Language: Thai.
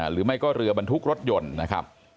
หรือไม่ก็เรือบรรทุกรถยนต์นะครับ